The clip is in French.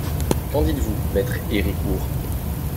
Qu'en dites-vous, Maître Héricourt?